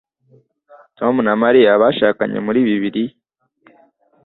Tom na Mariya bashakanye muri bibiri